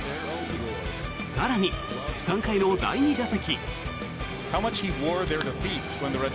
更に、３回の第２打席。